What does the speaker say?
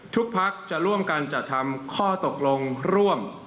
ภักดิ์จะร่วมกันจัดทำข้อตกลงร่วม